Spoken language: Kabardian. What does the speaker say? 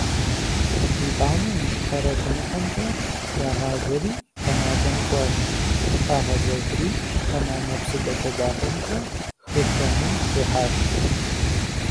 Итӏанэ Ищхъэрэ лъэныкъуэмкӏэ ягъазэри, Канадэм кӏуащ, къагъэзэжри, Панамэ псыдэлъэдапӏэмкӏэ хы Хуэмым техьащ.